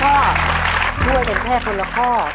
ถ้าเด้อเห็นแค่คนละพ่อ